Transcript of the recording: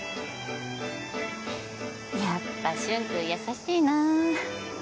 やっぱ舜くん優しいな。